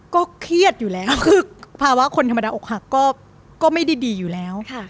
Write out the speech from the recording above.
ก็เครียดอยู่แล้วคือภาวะคนธรรมดาอกหักก็ไม่ได้ดีอยู่แล้ว